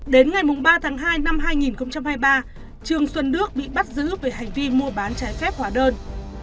đến ngày ba tháng hai năm hai nghìn hai mươi ba trương xuân đức bị bắt giữ về hành vi mua bán trái phép hóa đơn